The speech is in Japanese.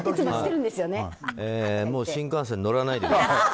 もう新幹線、乗らないで。